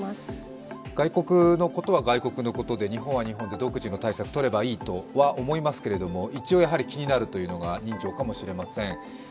外国のことは外国のことで日本は日本で独自の対策をとればいいとは思いますけれども一応気になるというのが人情かもしれません。